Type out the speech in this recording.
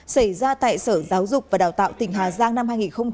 xảy ra tại sở giáo dục và đào tạo tỉnh hà giang năm hai nghìn một mươi bảy